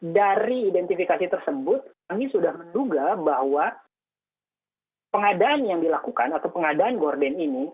dari identifikasi tersebut kami sudah menduga bahwa pengadaan yang dilakukan atau pengadaan gordon ini